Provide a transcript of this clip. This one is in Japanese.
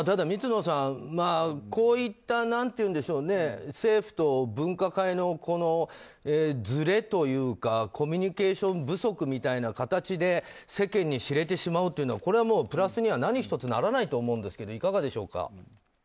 水野さん、こういった政府と分科会のずれというかコミュニケーション不足みたいな形で世間に知れてしまうというのはこれは、プラスには何一つならないと思うんですけどいかがでしょうか。